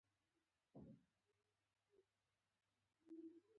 په بدل کې یې له بنسټي اصلاحاتو لاس واخیست.